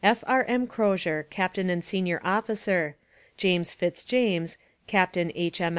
F. R. M. Crozier, Captain and Senior Officer. James Fitzjames, Captain H.